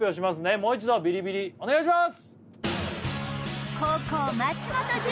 もう一度ビリビリお願いします！